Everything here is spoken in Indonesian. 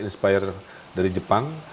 inspire dari jepang